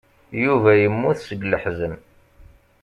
Yuba yemmut seg leḥzen.